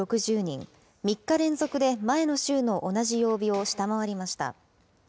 ３日連続で前の週の同じ曜日を下回りました。